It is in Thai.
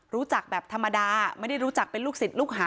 รู้จักแบบธรรมดาไม่ได้รู้จักเป็นลูกศิษย์ลูกหา